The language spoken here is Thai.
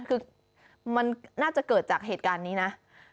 คือมันน่าจะเกิดจากเหตุการณ์นี้นะ